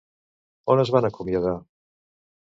On es van acomiadar?